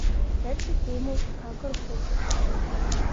Reci temu kakor hočeš.